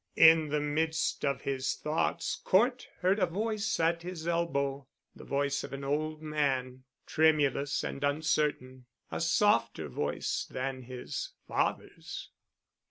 In the midst of his thoughts Cort heard a voice at his elbow, the voice of an old man, tremulous and uncertain, a softer voice than his father's.